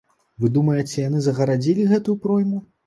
Вы думаеце, яны загарадзілі гэтую пройму?